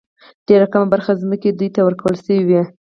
ډېره کمه برخه ځمکې دوی ته ورکړل شوې.